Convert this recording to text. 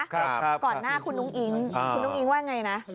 ก่อนหน้าคุณอุ้งอิ๊งคุณอุ้งอิ๊งว่าไงนะ